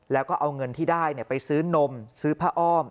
แล้วก็เอาเงินที่ได้ไปซื้อนมซื้อผ้าอ้อม